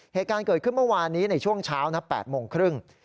เหตุการณ์เกิดขึ้นเมื่อวานนี้ในช่วงเช้านะ๘โมงครึ่ง